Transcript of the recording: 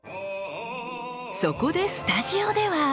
そこでスタジオでは。